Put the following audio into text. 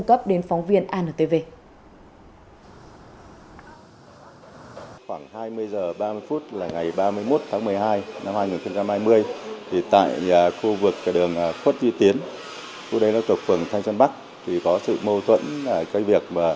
góp đến phóng viên antv